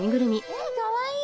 えかわいい！